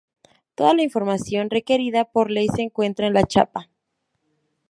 Toda la información requerida por ley se encuentra en la chapa.